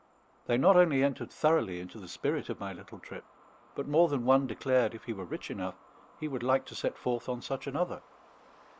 They not only entered thoroughly into the spirit of my little trip, but more than one declared, if he were rich enough, he would like to set forth on such another.